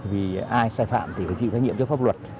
vì ai sai phạm thì phải chịu thái nhiệm cho pháp luật